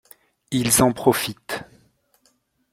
Ils en profitent.